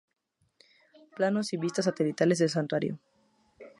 Planos y vistas satelitales del santuario.